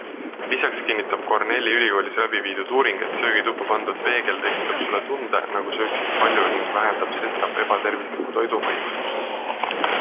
Lisaks kinnitab Cornelli ülikoolis läbi viidud uuring, et söögituppa pandud peegel tekitab sulle tunde, nagu sööksid palju ning vähendab sestap ebatervisliku toidu maitsvust.